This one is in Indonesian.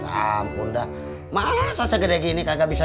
ampun dah masa segede gini kakak bisa